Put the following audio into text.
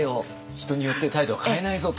人によって態度を変えないぞと。